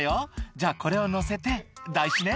「じゃあこれをのせて台紙ね」